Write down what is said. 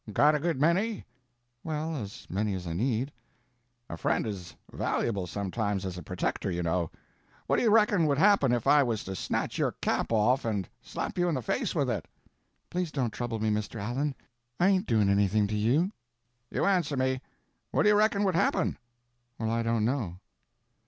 "Got a good many?" "Well, as many as I need." "A friend is valuable, sometimes—as a protector, you know. What do you reckon would happen if I was to snatch your cap off and slap you in the face with it?" "Please don't trouble me, Mr. Allen, I ain't doing anything to you." "You answer me! What do you reckon would happen?" "Well, I don't know."